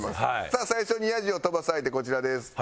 さあ最初にヤジを飛ばす相手こちらです。